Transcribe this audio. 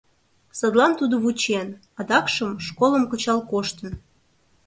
Садлан тудо вучен, адакшым, школым кычал коштын.